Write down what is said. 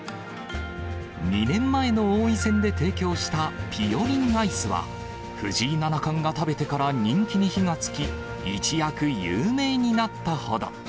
２年前の王位戦で提供したぴよりんアイスは、藤井七冠が食べてから人気に火がつき、一躍、有名になったほど。